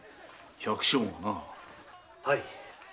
はい。